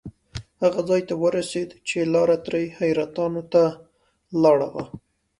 هغه ځای ته ورسېدو چې لار ترې حیرتانو ته لاړه وه.